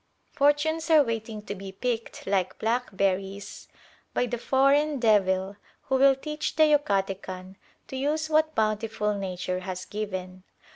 Fortunes are waiting to be picked like blackberries by the foreign "devil" who will teach the Yucatecan to use what bountiful Nature has given.